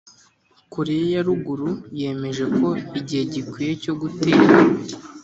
koreya ya ruguru yemeje ko igihe gikwiye cyo gutera.